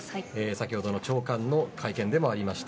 先ほどの長官の会見でもありました。